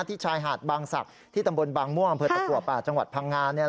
ที่ชายหาดบางศักดิ์ที่ตำบลบางม่วงบริเวณประกวบป่าจังหวัดพังงาน